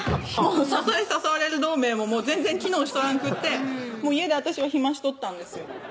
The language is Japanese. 誘い誘われる同盟ももう全然機能しとらんくって家で私はひましとったんですよ